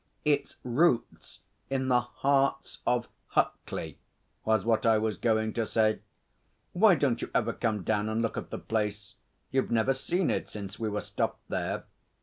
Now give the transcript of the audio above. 'Its roots in the hearts of Huckley was what I was going to say. Why don't you ever come down and look at the place? You've never seen it since we were stopped there.'